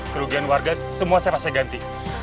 kerugian warga semua saya rasa ganti